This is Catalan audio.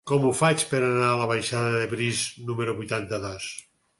Com ho faig per anar a la baixada de Briz número vuitanta-dos?